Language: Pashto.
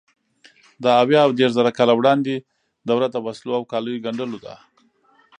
د اویا او دېرشزره کاله وړاندې دوره د وسلو او کالیو ګنډلو ده.